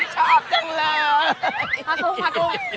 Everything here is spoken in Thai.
ชอบจังเลย